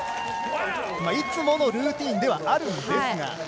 いつものルーティンではあるんですが。